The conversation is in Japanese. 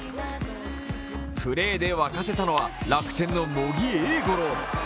プレーで沸かせたのは楽天の茂木栄五郎。